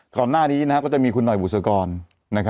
ก่อนหน้านี้ก็จะมีคุณหน่อยบุษกร